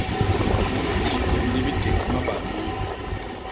Kumb lipum li biték mabal moñ.